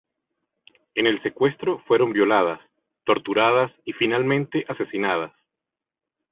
En el secuestro fueron violadas, torturadas y finalmente asesinadas.